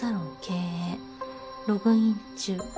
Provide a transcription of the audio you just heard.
「ログイン中」